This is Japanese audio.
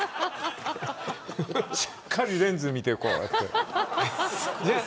しっかりレンズを見てこうやって。